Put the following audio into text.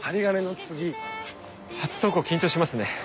初登校緊張しますね。